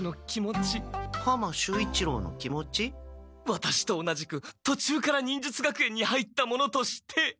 ワタシと同じくとちゅうから忍術学園に入った者として。